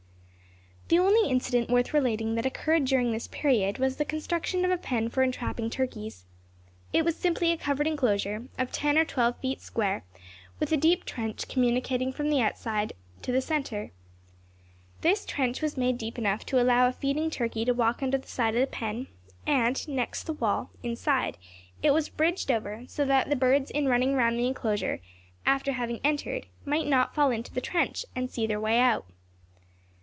The only incident worth relating that occurred during this period, was the construction of a pen for entrapping turkeys. It was simply a covered enclosure, of ten or twelve feet square, with a deep trench communicating from the outside to the centre. This trench was made deep enough to allow a feeding turkey to walk under the side of the pen, and next the wall, inside, it was bridged over, so that the birds in running around the enclosure, after having entered, might not fall into the trench, and see their way out.